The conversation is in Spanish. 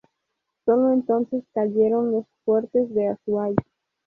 Sólo entonces cayeron los fuertes del Azuay.